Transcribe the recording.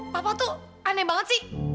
papa tuh aneh banget sih